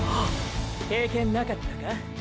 経験なかったか？